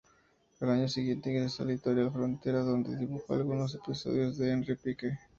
Al año siguiente ingresó a Editorial Frontera, donde dibujó algunos episodios de Ernie Pike.